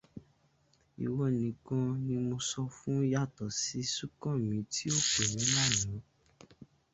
Ìwọ nìkan ni mo ṣọ fún yàtọ̀ sí Súnkànmí tió pè mí lánàá.